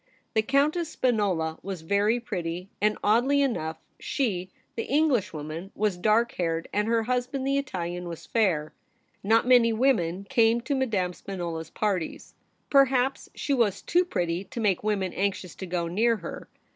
The Countess Spinola was very pretty, and, oddly enough, she, the Englishwoman, was dark haired, and her husband, the Italian, was fair. Not many women came to Madame Spinola's parties. Perhaps she was too pretty to make women anxious to go near her.